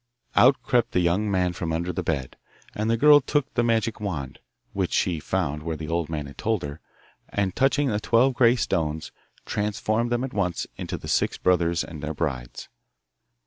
Out crept the young man from under the bed, and the girl took the magic wand (which she found where the old man had told her), and, touching the twelve grey stones, transformed them at once into the six brothers and their brides.